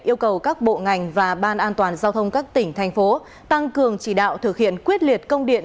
yêu cầu các bộ ngành và ban an toàn giao thông các tỉnh thành phố tăng cường chỉ đạo thực hiện quyết liệt công điện